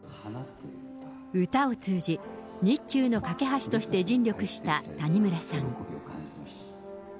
歌を通じ、日中の懸け橋として尽力した谷村さん。